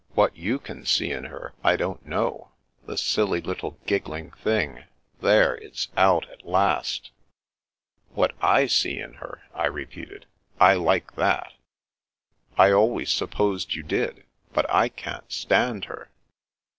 What yau can see in her, I don't know — ^the silly little giggling thing! There, it's out at last." " What / see in her? " I repeated. " I like that." " I always supposed you did. But I can't stand her."